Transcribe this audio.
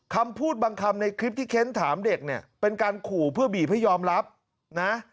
คำพูดบางคำในคลิปที่เค้นถามเด็กเนี่ยเป็นการขู่เพื่อบีบให้ยอมรับนะ